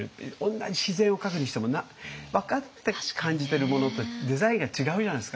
同じ自然を描くにしても分かって感じてるものってデザインが違うじゃないですか。